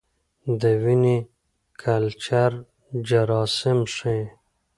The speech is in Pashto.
د وینې کلچر جراثیم ښيي.